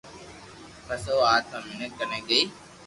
پسو او آتما مينک ڪني گئي